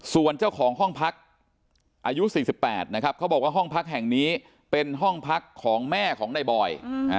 ส่วนเจ้าของห้องพักอายุ๔๘นะครับเขาบอกว่าห้องพักแห่งนี้เป็นห้องพักของแม่ของในบอย